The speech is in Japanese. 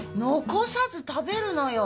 残さず食べるのよ！